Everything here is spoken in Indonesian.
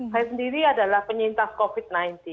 saya sendiri adalah penyintas covid sembilan belas